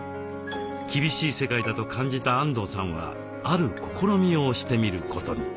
厳しい世界だと感じたあんどうさんはある試みをしてみることに。